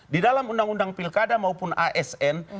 di dalam undang undang pilkada maupun asn